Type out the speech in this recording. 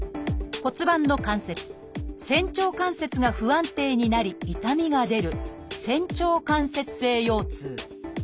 骨盤の関節「仙腸関節」が不安定になり痛みが出る「仙腸関節性腰痛」。